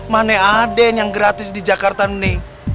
mana ada yang gratis di jakarta nih